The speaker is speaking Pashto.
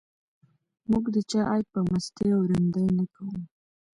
موږ د چا عیب په مستۍ او رندۍ نه کوو.